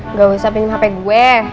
nggak usah pinjem hp gue